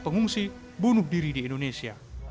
pengungsi bunuh diri di indonesia